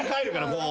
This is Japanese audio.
こう。